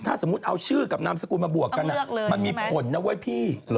ถ้าสมมุติเอาชื่อกับนามสกุลมาบวกกันมันมีผลนะเว้ยพี่